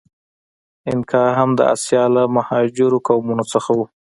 اینکا هم د آسیا له مهاجرو قومونو څخه و.